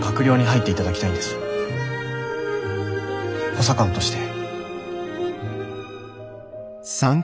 補佐官として。